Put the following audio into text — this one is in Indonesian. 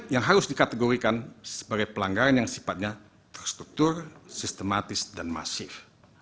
yang harus dikategorikan sebagai pelanggaran yang sifatnya terstruktur sistematis dan masif